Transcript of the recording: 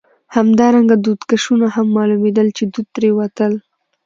همدارنګه دودکشونه هم معلومېدل، چې دود ترې وتل.